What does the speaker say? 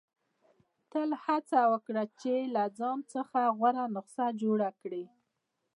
• تل هڅه وکړه چې له ځان څخه غوره نسخه جوړه کړې.